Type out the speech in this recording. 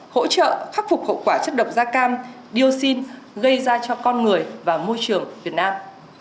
hỗ trợ khắc phục hậu quả chất độc da cam dioxin gây ra cho con người và môi trường việt nam